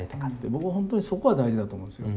僕は本当にそこが大事だと思うんですよ。